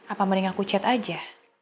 apa mending aku chat aja